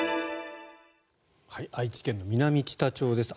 愛知県の南知多町です。